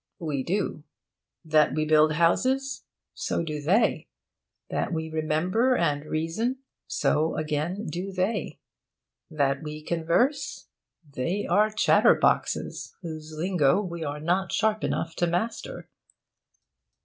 We do. That we build houses? So do they. That we remember and reason? So, again, do they. That we converse? They are chatterboxes, whose lingo we are not sharp enough to master.